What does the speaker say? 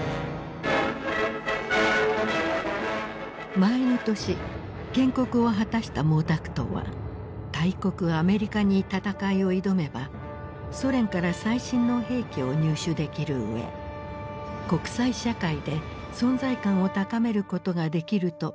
前の年建国を果たした毛沢東は大国アメリカに戦いを挑めばソ連から最新の兵器を入手できるうえ国際社会で存在感を高めることができるともくろんでいた。